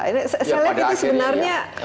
selep itu sebenarnya